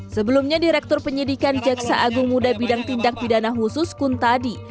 sebelumnya direktur penyidikan jaksa agung muda bidang tindak pidana khusus kuntadi